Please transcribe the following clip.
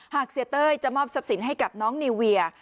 หากเศรษฐ์เต้ยจะมอบศัพท์สินให้กับน้องนีเวีย